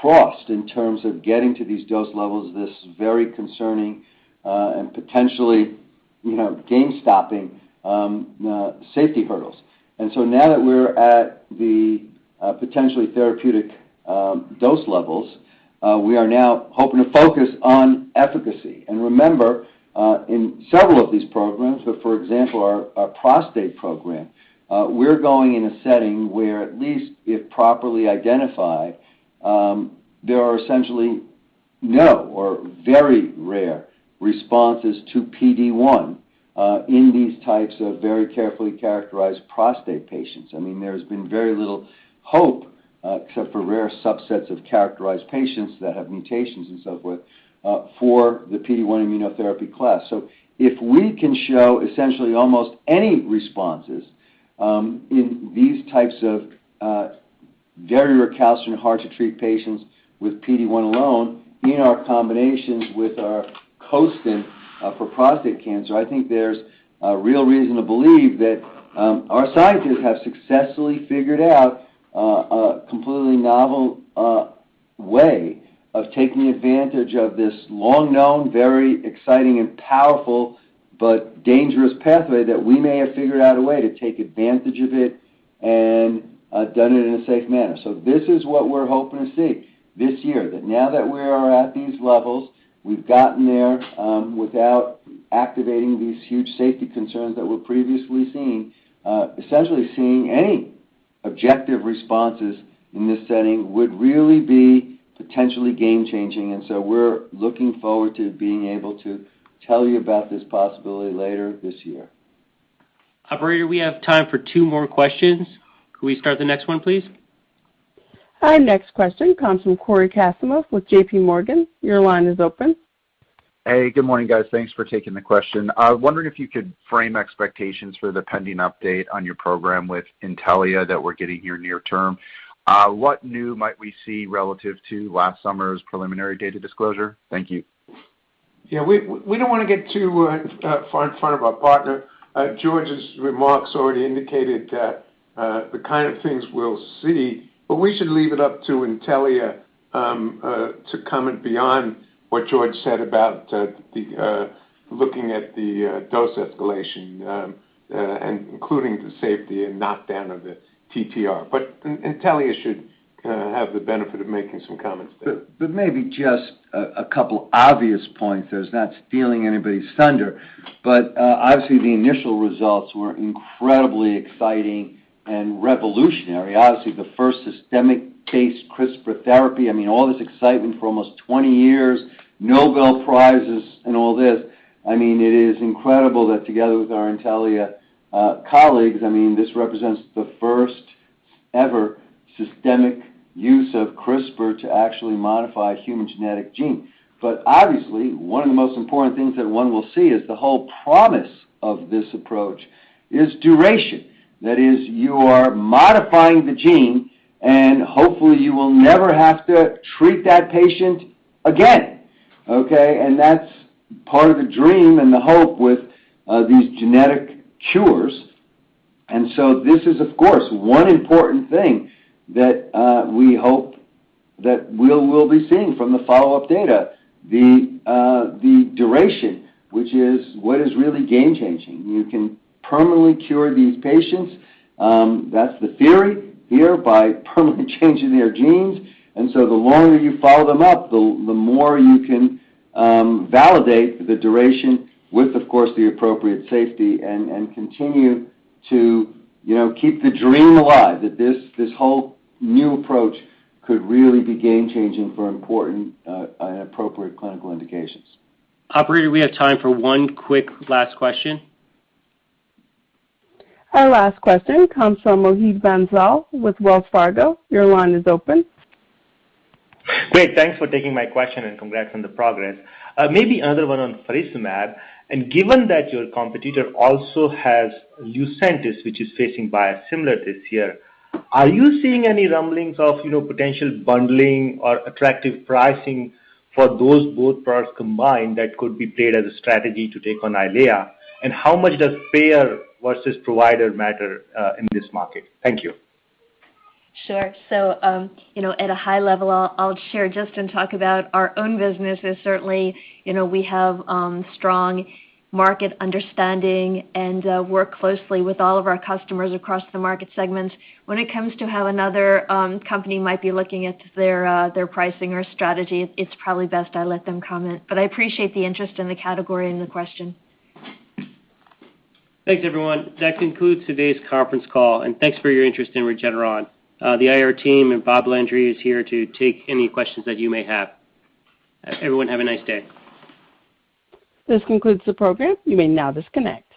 crossed in terms of getting to these dose levels, this very concerning and potentially, you know, game-stopping safety hurdles. Now that we're at the potentially therapeutic dose levels, we are now hoping to focus on efficacy. Remember, in several of these programs, so for example, our prostate program, we're going in a setting where at least if properly identified, there are essentially no or very rare responses to PD-1 in these types of very carefully characterized prostate patients. I mean, there's been very little hope except for rare subsets of characterized patients that have mutations and so forth for the PD-1 immunotherapy class. If we can show essentially almost any responses in these types of very recalcitrant, hard to treat patients with PD-1 alone in our combinations with our Costim for prostate cancer, I think there's a real reason to believe that our scientists have successfully figured out a completely novel way of taking advantage of this long-known, very exciting and powerful, but dangerous pathway that we may have figured out a way to take advantage of it and done it in a safe manner. This is what we're hoping to see this year. That now that we are at these levels, we've gotten there without Activating these huge safety concerns that were previously seen, essentially seeing any objective responses in this setting would really be potentially game changing. We're looking forward to being able to tell you about this possibility later this year. Operator, we have time for two more questions. Can we start the next one, please? Our next question comes from Cory Kasimov with JPMorgan. Your line is open. Hey, good morning, guys. Thanks for taking the question. I was wondering if you could frame expectations for the pending update on your program with Intellia that we're getting here near term. What new might we see relative to last summer's preliminary data disclosure? Thank you. Yeah, we don't wanna get too far in front of our partner. George's remarks already indicated that the kind of things we'll see, but we should leave it up to Intellia to comment beyond what George said about the looking at the dose escalation and including the safety and knockdown of the TTR. Intellia should have the benefit of making some comments there. Maybe just a couple obvious points as not stealing anybody's thunder. Obviously, the initial results were incredibly exciting and revolutionary. Obviously, the first systemic case CRISPR therapy. I mean, all this excitement for almost 20 years, Nobel Prizes and all this. I mean, it is incredible that together with our Intellia colleagues, this represents the first-ever systemic use of CRISPR to actually modify human genetic gene. Obviously, one of the most important things that one will see is the whole promise of this approach is duration. That is, you are modifying the gene, and hopefully, you will never have to treat that patient again. Okay. That's part of the dream and the hope with these genetic cures. This is, of course, one important thing that we hope that we'll be seeing from the follow-up data, the duration, which is what is really game changing. You can permanently cure these patients, that's the theory here, by permanently changing their genes. The longer you follow them up, the more you can validate the duration with, of course, the appropriate safety and continue to, you know, keep the dream alive that this whole new approach could really be game changing for important appropriate clinical indications. Operator, we have time for one quick last question. Our last question comes from Mohit Bansal with Wells Fargo. Your line is open. Great. Thanks for taking my question and congrats on the progress. Maybe another one on faricimab. Given that your competitor also has Lucentis, which is facing biosimilar this year, are you seeing any rumblings of, you know, potential bundling or attractive pricing for those both products combined that could be played as a strategy to take on EYLEA? How much does payer versus provider matter in this market? Thank you. Sure. You know, at a high level, I'll just share and talk about our own business. Certainly, you know, we have strong market understanding and work closely with all of our customers across the market segments. When it comes to how another company might be looking at their pricing or strategy, it's probably best I let them comment. I appreciate the interest in the category and the question. Thanks, everyone. That concludes today's conference call, and thanks for your interest in Regeneron. The IR team and Robert Landry is here to take any questions that you may have. Everyone, have a nice day. This concludes the program. You may now disconnect.